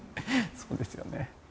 そうですよね。